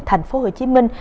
thành phố hồ chí minh